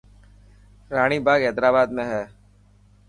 راڻي باگھه حيدرآباد ۾ هي.